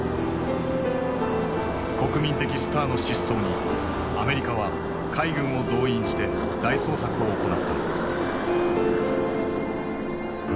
国民的スターの失踪にアメリカは海軍を動員して大捜索を行った。